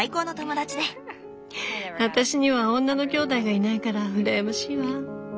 私には女のきょうだいがいないから羨ましいわ。